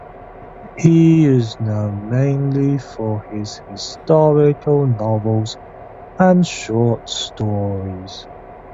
He is known mainly for his historical novels and short stories.